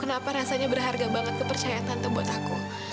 kenapa rasanya berharga banget kepercayaan tante buat aku